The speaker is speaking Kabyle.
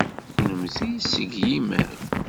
Kennemti seg yimal?